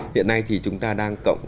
hiện nay thì chúng ta đang cộng